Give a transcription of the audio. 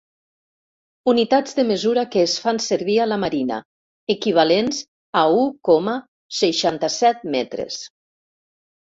Unitats de mesura que es fan servir a la marina, equivalents a u coma seixanta-set metres.